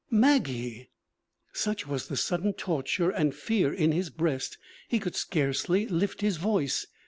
'Maggie!' Such was the sudden torture and fear in his breast, he could scarcely lift his voice.